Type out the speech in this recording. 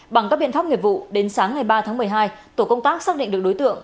bằng các biện pháp nghiệp vụ đến sáng ngày ba tháng một mươi hai tổ công tác xác định được đối tượng